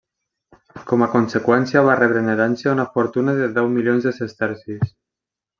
Com a conseqüència va rebre en herència una fortuna de deu milions de sestercis.